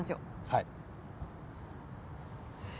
はい。